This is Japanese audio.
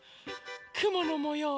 くものもよう。